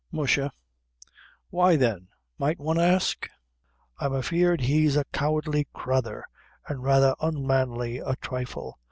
"Mush a why then, might one ask?" "I'm afeard he's a cowardly crathur, and rather unmanly a thrifle.